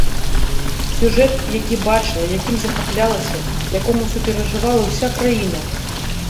Сюжэт, які бачыла, якім захаплялася, якому суперажывала ўся краіна.